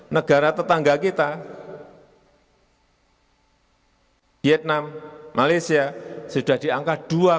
negara tetangga kita vietnam malaysia sudah diangka dua empat puluh tiga